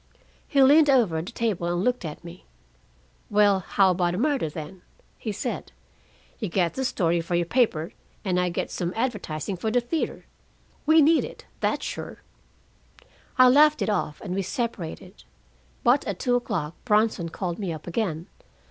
"He leaned over the table and looked at me. 'Well, how about a murder, then?' he said. 'You get the story for your paper, and I get some advertising for the theater. We need it, that's sure.' "I laughed it off, and we separated. But at two o'clock Bronson called me up again.